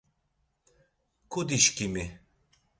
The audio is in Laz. Kudi-şǩimi!